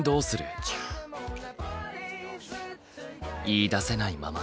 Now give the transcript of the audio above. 言いだせないまま。